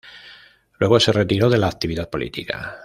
Luego, se retiró de la actividad política.